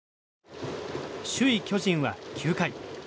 首位、巨人は９回。